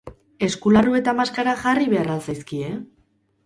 Eskularru eta maskara jarri behar al zaizkie?